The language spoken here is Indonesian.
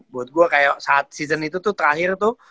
buat gue kayak saat season itu tuh terakhir tuh